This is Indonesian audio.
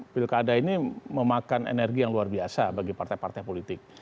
pilkada ini memakan energi yang luar biasa bagi partai partai politik